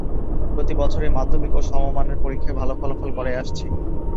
প্রতিবছরই মাধ্যমিক ও সমমানের পরিক্ষায় ভালো ফলাফল করে আসছে।